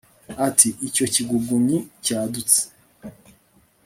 ati ' icyo kigugunnyi cyadutse